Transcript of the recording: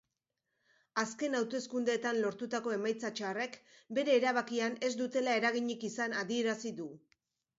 Azken hauteskundeetan lortutako emaitza txarrek bere erabakian ez dutela eraginik izan adierazi du.